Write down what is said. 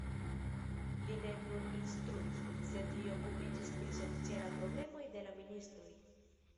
Li ne nur instruis, sed li okupiĝis pri socialaj problemoj de la ministoj.